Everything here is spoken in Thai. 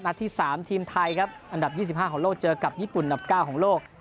ที่๓ทีมไทยครับอันดับ๒๕ของโลกเจอกับญี่ปุ่นอันดับ๙ของโลก